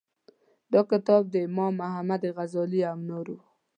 دا کتاب د امام محمد غزالي او نورو و.